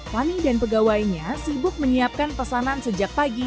fani dan pegawainya sibuk menyiapkan pesanan sejak pagi